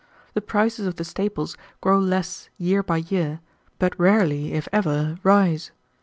The prices of the staples grow less year by year, but rarely, if ever, rise.